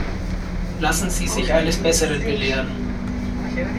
Lassen Sie sich eines Besseren belehren.